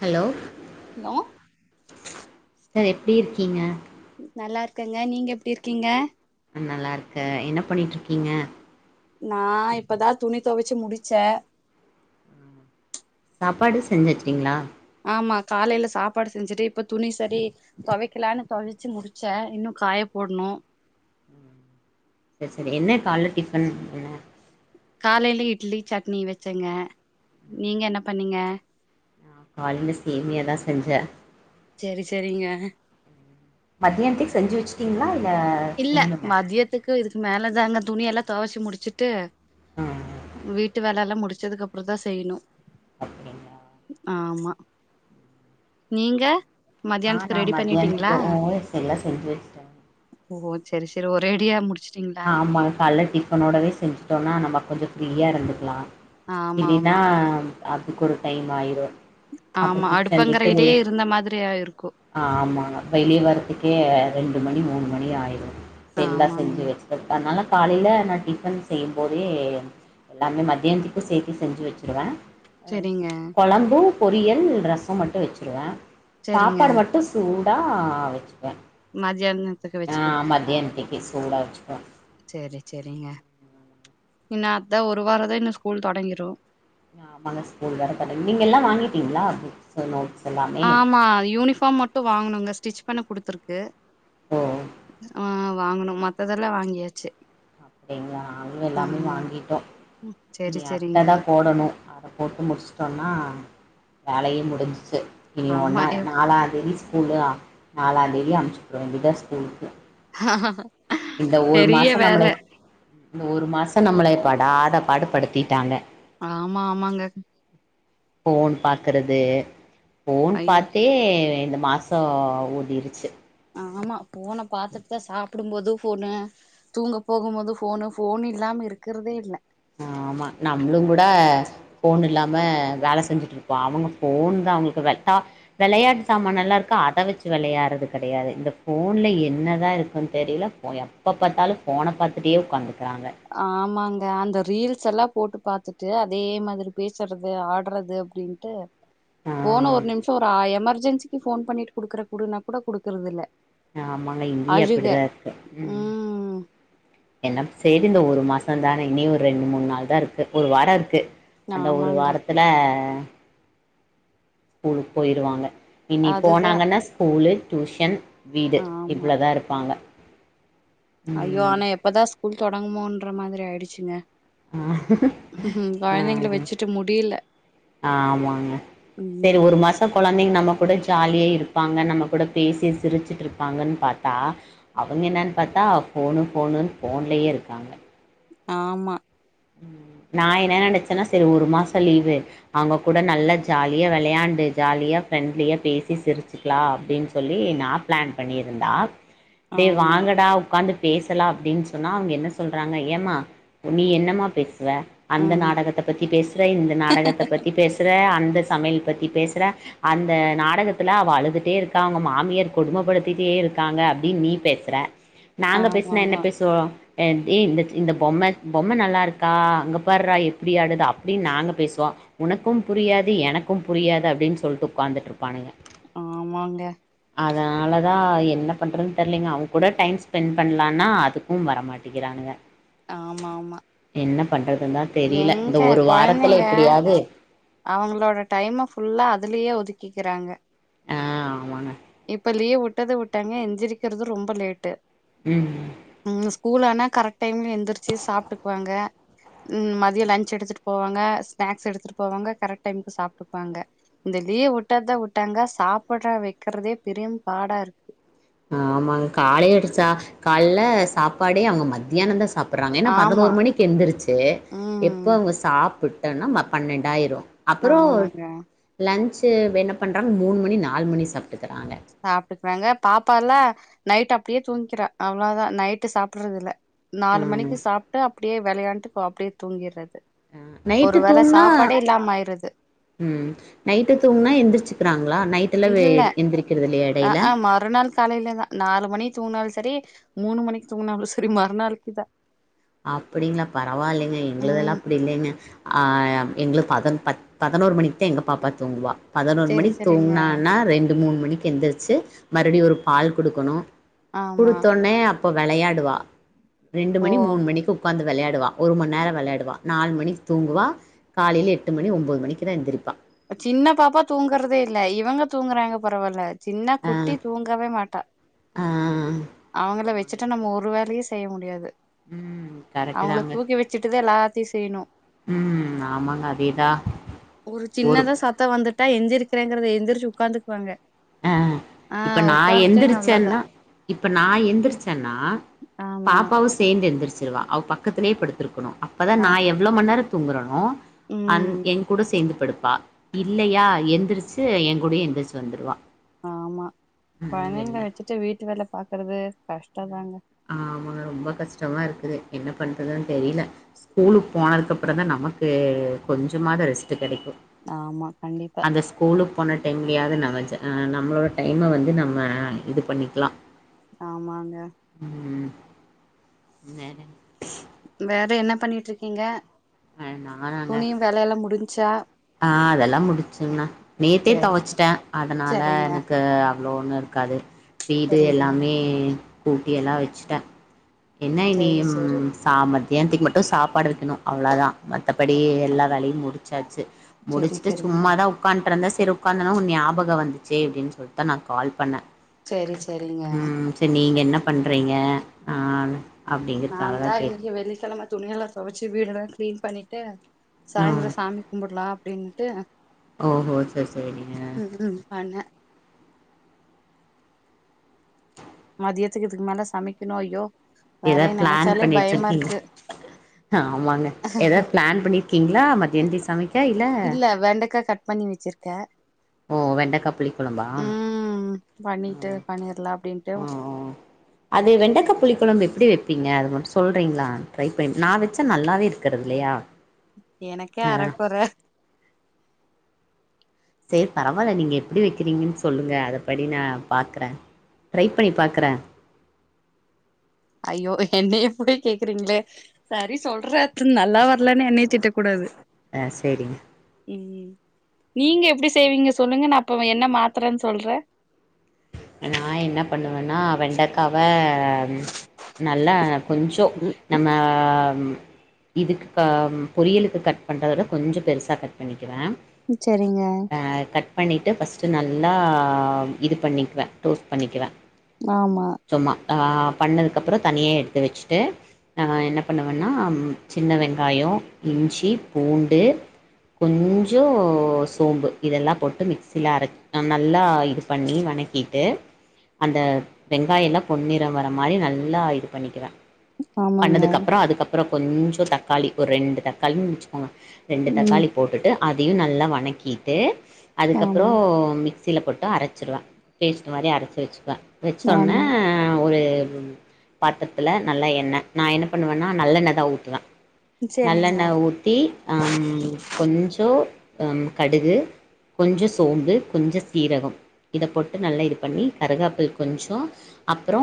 Hello லோ sir எப்டி இர்க்கீங்க நல்லார்க்கங்க நீங்க எப்டி இர்க்கீங்க ம் நல்லார்க்கே என்ன பண்ணீட்ருக்கீங்க நா இப்பதா துணி தொவச்சு முடிச்சே சாப்பாடு செஞ் வெச்சுட்டீங்ளா ஆமா காலையில சாப்பாடு செஞ்சுட்டு இப்ப துணி சரி தொவைக்கலானு தொவச்சு முடிச்ச இன்னு காய போட்ணு சேரி சேரி என்ன கால்ல டிஃபன் என்ன காலையிலே இட்லி சட்னி வெச்சேங்க நீங்க என்ன பண்ணீங்க காலில சேமியாதா செஞ்ச செரி செரிங்க மதியானத்திக்கு செஞ்சு வெச்சுட்டீங்களா இல்ல இல்ல செய்யணுமா மதியத்துக்கு இதுக்கு மேல தாங்க துணி எல்லா தொவச்சு முடிச்சுட்டு ஆ வீட்டு வேல எல்லா முடிச்சதுக்கு அப்பறம் தா செய்ணு அப்புற ஆமா நீங்க ஆ மதியானத்துக்கு நா ரெடி பண்ணிட்டீங்களா மத்தியானத்துக்கு ஓ [unintelligible] எல்லா செஞ்சு வெச்சுட்ட ஓ செரி செரி ஒரேடியா முடிச்சு ஆமா கால்ல டிஃபனோடவே செஞ்சுட்டோனா நம்ம கொஞ்ச ஃப்ரீயா இருந்துக்கலா ஆமா ஆமா இல்லின்னா அதுக்கு ஒரு டைம் ஆயிரு அப்றோ ஆமா அடுப்பங்கறைட்டயே இருந்த மாதிரி ஆயிருக்கு ஆமா வெளியே வரத்துக்கே ரெண்டு மணி மூணு மணி ஆயிடு எல்லா ஆமாங்க. செஞ்சு வெச்சு செட்டா அதனால காலில நா டிஃபன் செய்யும் போதே எல்லாமே மத்தியானத்துக்கும் சேத்தி செஞ்சு வச்சுருவ சரிங்க, கொழம்பு பொரியல் ரசம் மட்டு வெச்சுருவ சரிங்க. சாப்பாடு மட்டு சூடா வெச்சுப்ப மதியானத்துக்கு வெச்சுக்குவீங்களா ஓகே சூடா வச்சுப்ப செரி செரிங்க இன்னு அத்தா ஒரு வார தா இன்னு ஸ்கூல் தொடங்கிரு ஆமாங்க ஸ்கூல் வேற த நீங்க எல்லா வாங்கிட்டீங்களா அப்டி ச நோட்ஸ் எல்லாமே ஆமா அது யூனிஃபார்ம் மட் டு வாங்கனுங்க ஸ்டிட்ச் பண்ண குடுத்ருக்கு ஓ! ஆ வாங்கனு மத் ததெல்லா வாங்கியாச்சு அப்டிங்களா நாங்களு எல்லாமே ஆமாமா. வாங்கிட்டோ ம். சரி, இனி சரிங்க. அட்டதா போடணு போட்டு முடிச்சுட்டோன்னா வேலையே முடிஞ்சிச்சு இனி ஆமா. ஒன்னா எப் நாலாந்தேதி ஸ்கூலா நாலாந்தேதி அமுச்சுட்ற வேண்டிதா ஸ்கூலுக்கு ஆஹா ஹா இந்த ஒரு மாச நம்மளே இந்த ஒரு மாச நம்மளைய படாத பாடு படுத்திட்டாங்க ஆமா ஆமாங்க ஃபோன் பாக்குறது ஃபோன் ஐயோ! பாத்தே இந்த மா சோ ஓடிருச்சு ஆமா ஃபோன பாத்துட்தா சாப்டும்போது ஃபோனு தூங்க போகும்போது ஃபோனு ஃபோன் இல்லாம இருக்கிறதே இல்ல ஆமா நம்மளுங் கூட ஃபோன் இல்லாம வேல செஞ்சுட்டு இருப்போ அவுங்க போன் தா அவுங்களுக்கு வெட்டா வெளையாட்டு சாமானல்லா இருக்கு அத வெச்சு வெளையாறது கெடையாது இந்த ஃபோன்ல என்னதா இருக்கு தெரில ஓ எப்ப பாத்தாலு ஃபோன பாத்துட்டே உக்காந்துக்கறாங்க ஆமாங்க அந்த ரீல்ஸ் எல்லா போட்டு பாத்துட்டு அதே மாரி பேசுறது ஆட்றது டின்ட்டு ஆ ஃபோன்னு ஒரு நிமிஷ ஒரு ஆ எமர்ஜென்சிக்கு போன் பண்ணிட்டு குடுக்குற குடுனாக்கூட குடுக்றதுதில்ல ஆமாங்க இங்கயு அப்டிதா இருக்கு ம் என்ன ப் செரி இந்த ஒரு மாச தான இனி ஒரு ரெண்டு மூண் நாள்தா இருக்கு ஒரு வார இருக்கு அந்த ஒரு ஆமாங்க வாரத்துல ஸ்கூலுக் போயிருவாங்க இனி அதுதா போனாங்கன்னா ஸ்கூலு டியூஷன் வீடு ஆமா இவ்ளோ தா இருப்பாங்க ஐயோ ம் ஆனா எப்பதா ஸ்கூல் தொடங்குமோன்ற மாதிரி ஆயிடுச்சுங்க ஆ ம் கொழந்தைகள வச்சுட்டு முடியல ஆமாங்க செரி ஒரு ம் மாச குழந்தைங்க நம்ம கூட ஜாலிய இருப்பாங்க நம்ம கூட பேசி சிரிச்சுட்ருப்பாங்கன் பாத் தா அவங்க என்னன் பாத்தா ஃபோனு ஃபோனுன்னு ஃபோன்லயே இருக்காங்க ஆமா நா என்ன நெனச்சன்னா செரி ஒரு மாச லீவு அவங்க கூட நல்லா ஜாலியா வெளையாண்டு ஜாலியா ஃப்ரெண்ட்லியா பேசி சிரிச் லா அப்டின் சொல்லி நா ப்ளான் பண்ணிருந்தா டேய் ஆமா வாங்கடா உக்காந்து பேசலா அப்டின்னு சொன்னா அவங்க என்ன சொல்றாங்க ஏமா நீ என்னமா பேஸ்ர அந்த ம் நாடகத்த பத்தி பேசுற இந்த நாடகத்த பத்தி பேசுற அந்த செ சமையல் பத்தி பேஸ்ர அந்த நாடகத்துல அவ அழுதுட்டே இருக்கா அவங்க மாமியர் கொடுமபடுத்திட்டே இருக்காங்க அப்படின்னு நீ பே ஸ்ர நாங்க பேஸ்னா என்ன ஆமாமா பேசுவோ ஏ இந்த இந்தப் பொம்ம பொம்ம நல்லாருக் கா அங்க பார்றா எப்டி ஆடுது அப்டின்னு நாங்க பேசுவோ உனக்கும் புரியாது எனக்கும் புரியாது அப்டின்னு சொல்லிட்டு உக்காந்துட்ருப்பானுங்க ஆமாங்க அதனால தா என்ன பண்ணுறதுன் தெரிலலைங்க அவ கூட டைம் ஸ்பென்ட் பண்ணலான்னா அதுக் கு வரமாட்டிகிறானுங்கா ஆமாம்மா என்ன பண்றதுந்தா தெரியல இந்த ஒரு வாரத்துல கொழந்தைங்க எப்டியாது அவங்களோட டைம ஃபுல்லா அதுலயே ஒதுக்கிக்கிறாங்க ஆ ஆமாங்க இப்ப லீவ் விட்டது விட்டாங்க எந்திர்க்கிறது ரொம்ப லேட்டு ம் ம் ஸ்கூல் ஆனா கரெக்ட் டைம்ல எழுந்திரிச்சு சாப்ட்டுக்கு வாங்க ம் மதிய லன்ச் எடுத்துட்டு போவங்க ஸ்நாக்ஸ் எடுத்துட்டு போவாங்க கரெக்ட் டைமுக்கு சாப்ட்டுக்குவாங்க இந்த லீயே விட்டத விட்டாங்க சாப்படற வைக்கிறதே பெரிம் பாடா இருக்கு ஆமாங்க காலைய அடிச்சா காலல சாப்பாடே அவங்க மத்தியான தா சாப் அப்புறாங்க ஏன்னா ஆமா பதினோரு மணிக்கு எழுந்துருச்சு எப்ப ம் அவங்க சாப்பிட்டன்னோ மணி பன்னெண்டாயிரும் அப்பறோ ஆமாங்க லன்ஞ்சு என்ன பண்ணுறாங்க மூணு மணி நாலு மணி சாப்ட்டுக்கிறாங்க சாப்ட்டுக்கறாங்க பாப்பால்லா நைட் அப்டியே தூங்கிக்கிறா அவ்வளவுதா நைட்டு சாப்புடுறதுல்ல நாலு ம். மணிக்கு சாப்ட்டு அப்டியே விளையாண்டு அப்டியே தூங்கிறது அ நைட்டு ஒரு வேளை தூங்குனா சாப்பாடே இல்லாம ஆயிரது ம் நைட் தூங்கனா எந்திரிச்சுக்கிறாங்களா நைட்யிலா எந்திரிக்கிறது இல்லையா எடையில மறு நாள் காலையிலதா நாலு மணிக்கு தூங்கினாலு சரி மூணு மணிக்கு தூங்கினாலு சரி மறுநாளைக்குதா அப்படிங்களா பரவாயில்லைங்க எங்களுதெல்லா ம் அப்டி இல்லைங்க ஆ எங்களுக் பதன் பத் பதினோரு மணிக்கு தா எங்க பாப்பா தூங்குவா பதினொரு செரி மணிக்கு செரிங்க தூங்கினான்னா ரெண்டு மூணு மணிக்கு எந்திருச்சு மறுபடியு ஒரு பால் குடுக்கணு ஆமா குடுத்தோனே அப்ப விளையாடுவா ரெண்டு ஓ மணி மூணு மணி இன்னிக்கு உக்காந்து விளையாடுவா ஒரு மண்நேர விளையாடுவா நாலு மணிக்கு தூங்குவா காலையில எட்டு மணி ஒம்போது மணிக்குதா எந்திரிப்பா சின்ன பாப்பா தூங்குறதே இல்ல இவங்க தூங்குறாங்க பரவால்ல சின்ன குட்டி தூங்கவே மாட்டா ஆ ஆ அவங்கள வச்சுட்டு ஆமாங்க நம்ம ஒரு வேலையு செய்ய முடியாது ம் கரெக்டு அவங்கள தாங்க தூக்கி வச்சுட்டுதா எலாத் செய்யனு ம் ஆமாங்க அதேதான் ஒரு சின்னதா சாத் சத வந்துட்டா எந்திரக்கிறேங்கிறது எந்திரிச்சு உக்கந்துக்குவாங்க ஆ இப்ப நா நல்லதா எந்திருச்சேன்னா இப்ப நா எந்திரிச்சன்னா ஆமா பாப்பாவு ஸ் சேந்து எந்திருச்சிடுவா அவ பக்கத்துலயே படுத்தத்துயிருக்கனு நா அப்பதா ஆ நா எவ்ளோ மண் நேர தூங்குறன்னோ அன் ம் என்கூட சேந்து படுப்பா இல்லையா எந்திரிச்சு ஏ கூடயே எந்திரிச்சி வந்துருவா ஆமா ம் கொழந்தைங்கள என்ன வச்சுட்டு வீட்டு வேல பாக்குறது கஷ்டோ தாங்க ஆமாங்க ரொம்ப கஷ்டமா இருக்குது என்ன பண்றதுன் தெரியல ஸ்கூலுக்கு போனதுக்கப்பறந்தா நமக்கு கொஞ்சமாவது ரெஸ்ட்டு கெடைக்கு ஆமா கண்டிப்பா அந்த ஸ்கூலுக்கு போன டைம்லயாவது நம்ம ஜா ஆ நம்மளோட டைம வந்து நம்ம இது பண்ணிக்கலா ஆமாங்க ம் வேற வேற என்ன பண்ணிட்ருக்கீங்க அ நானாங்க துணியு வேலைல்லா முடிஞ்சா ஆ அதெல்லா முடிச்சுங்கண்ணா நேத்தே சேரி தொவச்சிட்டே அதனால சரிங்க எனக்கு லோன்னு இருக்காது வீடு சரிங்க எல்லாமே கூட்டி எல்லா வச்சுட்டே என்ன இனி சேரி இம் சேரி ச மத்தியானத்துக்கு மட்டு சாப்பாடு வைக்கணு அவ்வளோ தா மத்தபடி எல்லா வேலையு முடிச்சாச்சு சேரி முடிச்சுட்டு சரிங்க சும்மாதா உக்காட்ருந்த சரி உக்காந்தன்னா உன் ஞாபக வந்துச்சு அப்டின்னு சொல்லிட்டு நா கால் பண்ணே சரி சரிங்க ம் நீங்க என்ன பண்றீங்க ஆங் நாந்தா இன்னைக்கு வெள்ளிக்கெழம துணியெல்லா தொவச்சு வீடுல்லா க்ளீன் பண்ணிட்டு ம் சாய்ந்தர சாமி கும்படலா அப்டின்னுட்டு ஓஹோ சரி சரிங்க இம் பண்ண மதியத்துக்கு இதுக்கு மேல சமைக்கணு ஐயோ ஏதா வேலைய ப்ளான் நெனைச்சாலே பண்ணி பயமா வச்சிருக்கீங்க இருக்கு ஆமாங்க எதாவ் ப்ளான் பண்ணிர்க்கீங்ளா மத்யந்துக் சமைக்க இல்ல இல்ல வெண்டக்கா கட் பண்ணி வெச்சிர் த்த ஓ வெண்டக்கா புளி குழம்பா உம் பண்ணிட்டு பண்ணிர்லா அப்டின்ட்டு ஆ அது வெண்டக்கா புளி கொழம்பு எப்டி வெப்பீங்க அது மட் சொல்றீங்ளா ட்ரை பண் நா வெச்ச நல்லாவே இரு க்றதில்லையா எனக்கே அரக்கொற சேரி பரவால்ல நீங்க எப்டி வெக்கிறீங்கன் சொல்லுங்க அத படி நா பாக்குற ட்ரை பண்ணி பாக்ற ஐயோ என்னையப் போய் கேக்குறீங்ளே சரி சொல்றத் நல்லா வர்லன் என்னையத் திட்டக் கூடாது ஆ சேரிங்க ம் நீங்க எப்டி செய்வீங்க சொல்லுங்க நா அப்பவ் என்ன மாத்தறே சொல்றே நா என்ன பண்ணுவேன்னா வெண்டக்காவ நல்லா கொஞ்சோ நம்ம ம் இதுக் கா ம் பொரியலுக்கு கட் பண்றதட கொஞ்ச பெருசா கட் பண்ணிக்குவ ம் செரிங்க அ கட் பண்ணிட்டு ஃபஸ்ட்டு நல்லா இது பண்ணிக்வ டோஸ் பண்ணிக்குவ ஆமா சும்மா ஆ பண்ணதுக்கப்றோ தனியா எடுத்து வெச்சுட்டு அ என்னப்பண்ணுவன்னா சின்ன வெங்காயோ இஞ்சி பூண்டு கொஞ்சோ சோம்பு இதெல்லா போட்டு மிக்சில அரச் அ நல்லா இது பண்ணி வணக்கி ட்டு அந்த வெங்காய்ல்லா பொன்னிற வர மாரி நல்லா இது பண்ணிக்வ ஆமாங்க பண்ணதுக்கப்றோ அதுக்கப்றோ கொஞ்சோ தக்காளி ஒர் ரெண்டு தாக்காளின் வச்சிக்கோங்க ரெண்டு ம் தக்காளி போட்டுட்டு அதையு நல்லா வணக்கிட்டு அதுக்கப்றோ ஆமா மிக் ஸுல போட்டு அரச்சிருவ பேஸ்ட்டு மாரி அரச்சி வெச்சுக்குவ வெச்சோனே ஆமா அ ஒரு பாத்ரத்துல நல்லா எண்ண நா என்ன பண்ணுவேன்னா நல்லெண்ணதா ஊத்துவ சரிங்க நல்லெண்ண ஊத்தி அம் கொஞ்சோ அ கடுகு கொஞ்ச சோம்பு கொஞ்ச சீரகொ இதப் போட் ட்டு நல்லா இது பண்ணி கருகப்புள் கொஞ்சோ அப்றோ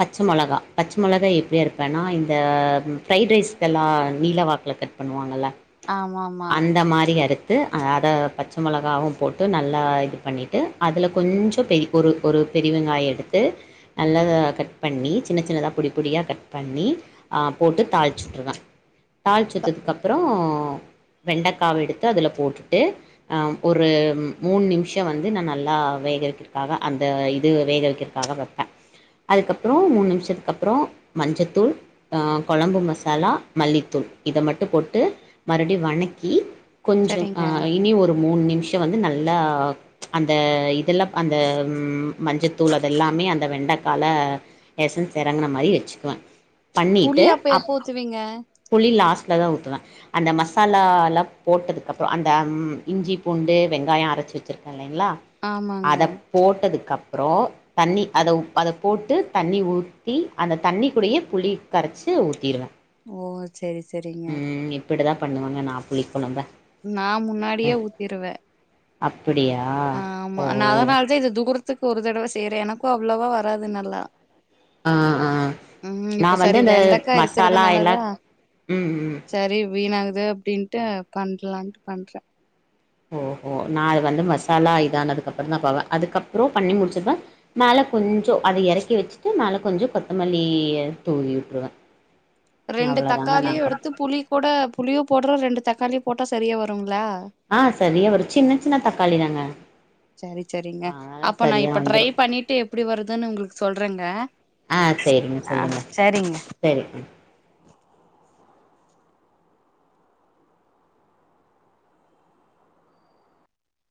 பச்ச மொளகா பச்ச மொளகா எப்டி அறுப்பேன்னா இந்த ஃப்ரைட் ரைஸ்கெல்லா நீள வாக்ல கட் பண்ணுவாங்கல்ல ஆமாமா அந்த மாரி அறுத் ட்டு அட பச்ச மொளகாவு போட்டு நல்லா இது பண்ணிட்டு அதுலக் கொஞ்சோ பெரி ஒரு ஒரு பெரிய வெங்காய எடுத்து நல்லத கட் பண்ணி சின்ன சின்னதா பொடி பொடியா கட் பண்ணி அ போட்டு தாள்ச்சுட்ருவ தாள்ச்சுட்டத்துக்கப்றோ வெண்டக்காவ எடுத்து அதுல போட்டுட்டு அ ஒரு மூண் நிம்ஷோ வந்து நா நல்லா வேகவெக்கிற்காக அந்த இது வேகவெக்கத்காக வெப்ப அதுக்கப்றோ மூண் நிம்ஷத்துக்கப்றோ மஞ்சத்தூள் அ கொழம்பு மசாலா மல்லித்தூள் இத மட்டு போட்டு மறுடியு வணக்கி கொஞ்சோ சரிங்க ஆ இனி ஒரு மூண் நிம்ஷோ வந்து நல்லா அந்த இ தெல்லா அந்த மஞ்சத்தூள் அதெல்லாமே அந்த வெண்டக் கால எசன்ஸ் எறங்கன மாரி வெச்சுக்குவ புளி பண்ணிட்டு அப்ப அப் எப்ப ஊத்துவீங்க புளி லாஸ்ல தா ஊத்துவ அந்த மசாலா லா போட்டதுக்கப்றோ அந்த ம் இஞ்சி பூண்டு வெங்காயோ அரச்சு வச்சிருக் ல்லைங்ளா ஆமாங்க அத போட்டதுக்கப்றோ தண்ணி அத அத போட்டு தண்ணி ஊத்தி அந்த தண்ணிக்குடயே புளி கரச்சி ஊத்திடுவ ஓ செரி செரிங்க இப்டி தா பண்ணுவாங்க நா புளிகொழம்ப நா முன்னாடியே ஊத்திருவே அப்புடியா ஆமா நா அதனால தா இது தூரத்துக்கு ஒரு தடவ செய்றே எனக்கு அவ்ளவா வராது நல்லா ஆ ஆ ம் நா இப்ப வந்து சரி இந்த வெண்டக்கா மசாலா எல்லா இருக்கிறதுனாலதா ம் ம் சரி வீணாகுது அப்டின்ட்டு பண்லான்ட்டு பண்றே ஓஹோ நா அது வந்து மசாலா இதானதுக்குப்பறோ தா போவே அதுக்கப்புறோ பண்ணி முடிச்சுருவே மேல கொஞ்சோ அத இறக்கி வச்சுட்டு மேல கொஞ்சோ கொத்தமல்லி தூவி விட்டுருவ ரெண்டு தக்காளியு எடுத்து புளி கூட புளியு போடுறோ ரெண்டு தக்காளியு போட்டா சரியா வருங்ல ஆ சரி வரு சின்ன சின்ன தக்காளி தாங்க சரி சரிங்க அதனால அப்ப நா சரியா இப்ப ட்ரை வந்துரு பண்ணிட்டு எப்டி வருதுன்னு உங்களுக்கு சொல்றேங்க ஆ செரிங்க ஆ சொல்லுங்க சரிங்க செரி ம்